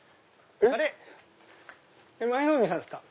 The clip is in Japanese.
舞の海さんですか？